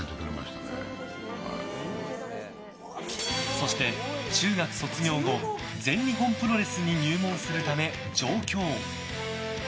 そして、中学卒業後全日本プロレスに入門するため上京。